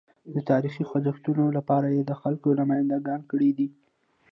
د تاریخي خوځښتونو لپاره یې د خلکو نمایندګي کړې ده.